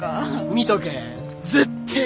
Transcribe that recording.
見とけえ。